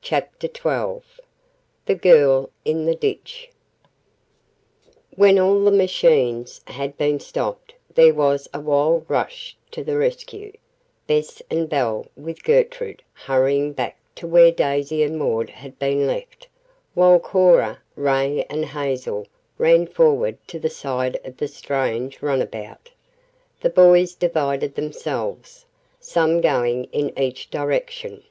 CHAPTER XII THE GIRL IN THE DITCH When all the machines had been stopped there was a wild rush to the rescue Bess and Belle with Gertrude hurrying back to where Daisy and Maud had been left, while Cora, Ray and Hazel ran forward to the side of the strange runabout. The boys divided themselves some going in each direction.